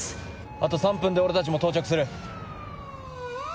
あと３分で俺たちも到着する。